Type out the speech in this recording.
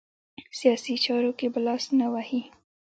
سیاسي چارو کې به لاس نه وهي.